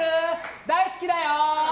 大好きだよ！